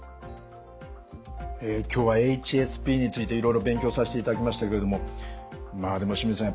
今日はＨＳＰについていろいろ勉強させていただきましたけれどもまあでも清水さん